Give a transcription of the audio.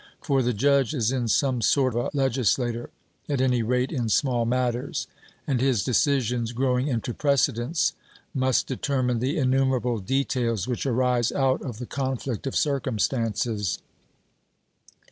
For the judge is in some sort a legislator, at any rate in small matters; and his decisions growing into precedents, must determine the innumerable details which arise out of the conflict of circumstances.